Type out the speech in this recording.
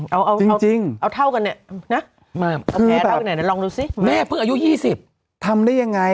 เอาเท่ากันเนี่ยลองดูซิแม่เพิ่งอายุ๒๐ทำได้ยังไง